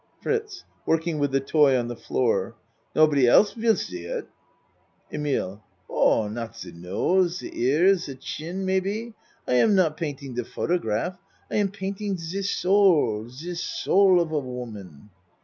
FRITZ (Working with the toy on the floor.) Nobody else vill see it. EMILE Ah, not ze nose ze ears ze chin, may be I am not, painting the photograph. I am painting the soul ze soul of a woman.